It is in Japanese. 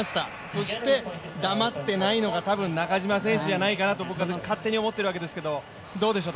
そして黙っていないのが、多分中島選手じゃないかと僕は勝手に思っているんですけれどもどうでしょう？